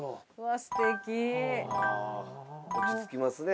落ち着きますね。